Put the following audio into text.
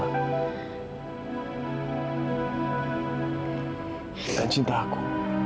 dan cinta aku